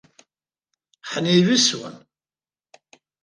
Ҳнеивысуан.